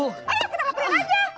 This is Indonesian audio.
ayah kita lapurin aja